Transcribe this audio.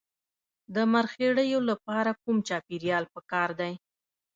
د مرخیړیو لپاره کوم چاپیریال پکار دی؟